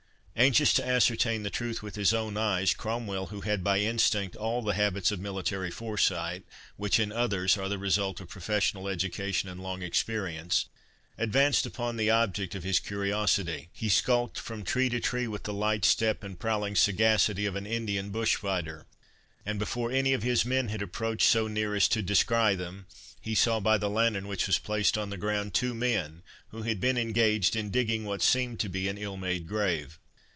Anxious to ascertain the truth with his own eyes, Cromwell, who had by instinct all the habits of military foresight, which, in others, are the result of professional education and long experience, advanced upon the object of his curiosity. He skulked from tree to tree with the light step and prowling sagacity of an Indian bush fighter; and before any of his men had approached so near as to descry them, he saw, by the lantern which was placed on the ground, two men, who had been engaged in digging what seemed to be an ill made grave.